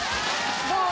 どう？